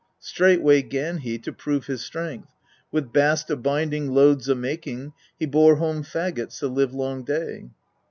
....." Straightway 'gan he to prove his strength, with bast a binding loads a making, he bore home faggots the livelong day.